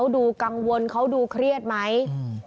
ดูกังวลเขาดูเครียดไหม